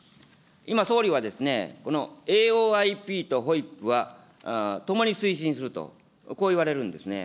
今、総理はこのＡＯＩＰとＦＯＩＰは、ともに推進すると、こう言われるんですね。